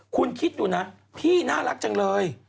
คุณคิดดูนะพี่น่ารักจังเลย